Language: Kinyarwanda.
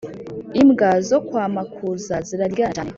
Imbwa zokwamakuz ziraryana cyane